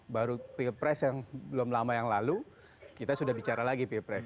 baru pilpres yang belum lama yang lalu kita sudah bicara lagi pilpres